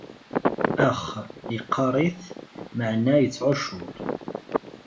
Ax, iqqaṛ-it, meɛna ittɛuccuṛ.